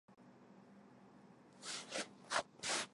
视听资料